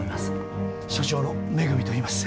所長の恵といいます。